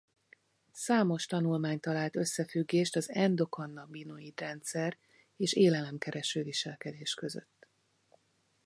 Számos tanulmány talált összefüggést az endokannabinoid-rendszer és élelemkereső-viselkedés között.